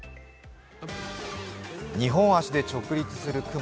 ２本足で直立する熊。